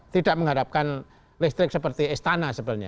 tidak mengharapkan listrik seperti istana sebenarnya